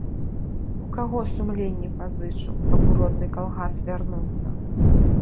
У каго сумленне пазычу, каб у родны калгас вярнуцца?